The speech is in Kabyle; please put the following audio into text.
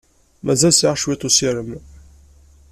Mazal sɛiɣ cwiṭ n ussirem.